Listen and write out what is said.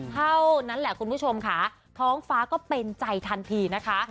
เท่านั้นแหละคุณผู้ชมค่ะท้องฟ้าก็เป็นใจทันทีนะคะ